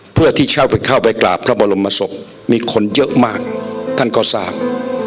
เพื่อที่เข้าไปกราบพระบรมศพมีคนเยอะมากท่านก็ทราบ